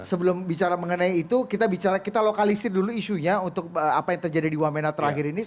sebelum bicara mengenai itu kita bicara kita lokalisir dulu isunya untuk apa yang terjadi di wamena terakhir ini